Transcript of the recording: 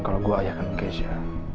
kalau gue ayah kan keisha